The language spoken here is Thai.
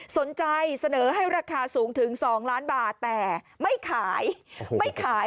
สนใจเสนอให้ราคาสูงถึง๒ล้านบาทแต่ไม่ขายไม่ขาย